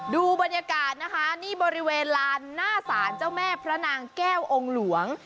ดูบรรยากาศนะคะนี่บริเวณลานหน้าศาลเจ้าแม่พระนางแก้วองค์หลวง